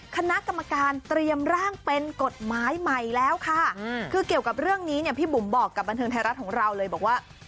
คณะกรรมการเตรียมร่างเป็นกฎหมายใหม่แล้วค่ะคือเกี่ยวกับเรื่องนี้เนี่ยพี่บุ๋มบอกกับบันเทิงไทยรัฐของเราเลยบอกว่า